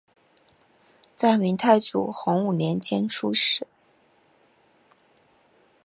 在明太祖洪武年间出仕。